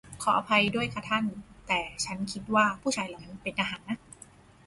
ขออภัยด้วยค่ะท่าน แต่ฉันคิดว่าผู้ชายเหล่านั้นเป็นทหารนะ